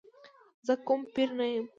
زه کوم پیر نه یم.